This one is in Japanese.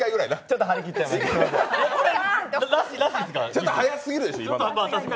ちょっと早すぎるでしょ、今。